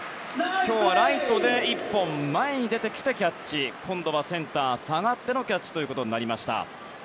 今日はライトで１歩前に出てきてキャッチ今度はセンター、下がってのキャッチとなりました。